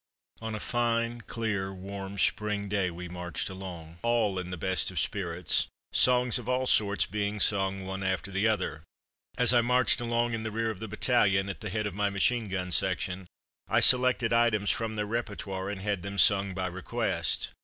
On a fine, clear, warm spring day we marched along, all in the best of spirits, songs of all sorts being sung one after the other. As I marched along in the rear of the battalion, at the head of my machine gun section, I selected items from their repertoire and had them sung "by request."